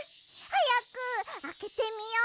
はやくあけてみよ。